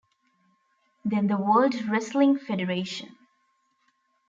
Then the World Wrestling Federation.